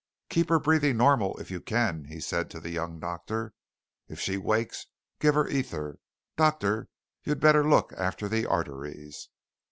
"Keep her breathing normal if you can," he said to the young doctor. "If she wakes give her ether. Doctor, you'd better look after the arteries."